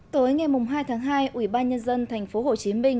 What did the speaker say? tối ngày hai tháng hai ủy ban nhân dân thành phố hồ chí minh